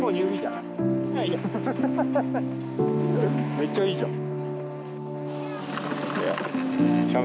めっちゃいいじゃん。